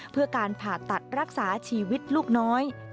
เพื่อการผ่าตัดรักษาชีวิตลูกน้อย